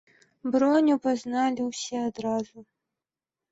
Броню пазналі ўсе адразу.